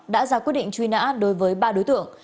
đã ra quyết định truy nã đối với ba đối tượng